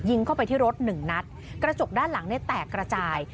เข้าไปที่รถหนึ่งนัดกระจกด้านหลังเนี่ยแตกกระจาย